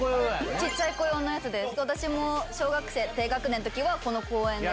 小っちゃい子用のやつで私も小学生低学年の時は公園で。